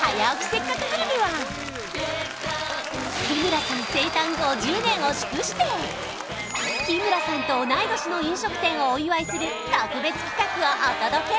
せっかくグルメは日村さん生誕５０年を祝して日村さんと同い年の飲食店をお祝いする特別企画をお届け！